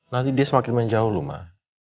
nanti dia semakin menjauh luma